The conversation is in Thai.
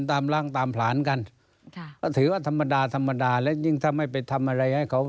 ตามร่างตามผลาญกันค่ะก็ถือว่าธรรมดาธรรมดาและยิ่งถ้าไม่ไปทำอะไรให้เขา